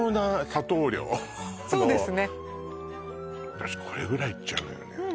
私これぐらいいっちゃうのよね